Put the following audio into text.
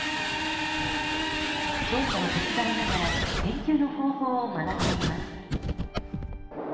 調査を手伝いながら研究の方法を学んでいます。